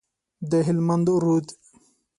د هلمند رود،